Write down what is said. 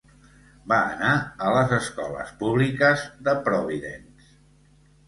Va anar a les escoles públiques de Providence.